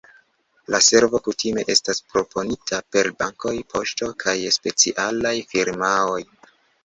La servo kutime estas proponita per bankoj, poŝto kaj specialaj firmaoj.